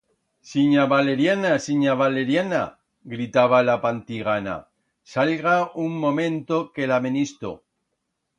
Sinya Valeriana, sinya Valeriana, gritaba la Paltigana, sallga un momento, que la amenisto.